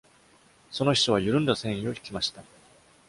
その秘書は、緩んだ繊維を引きました。